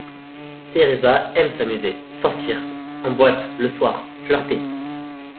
Teresa aime s'amuser, sortir en boîte le soir, flirter.